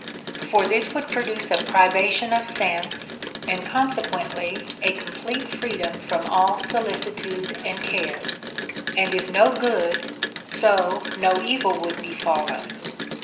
For this would produce a privation of sense, and consequently a complete freedom from all solicitude and care ; and if no good, so no evil would befall us.